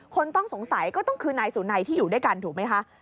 คนต้องสงสัยก็คือนายสุนัยที่อยู่ด้วยกันถูกไหมคะ